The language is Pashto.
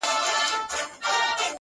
پښتې ستري تر سترو، استثناء د يوې گوتي،